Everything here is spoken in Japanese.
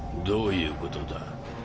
どういうことだ？